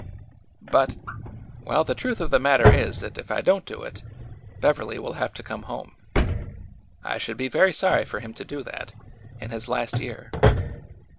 '' But— well, the truth of the matter is that if I don't do it, Beverly will have to come home. I should be very sorry for him to do that— in his last year."